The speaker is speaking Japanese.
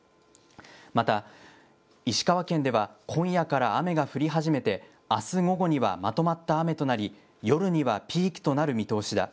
また、石川県では今夜から雨が降り始めて、あす午後にはまとまった雨となり、夜にはピークとなる見通しだ。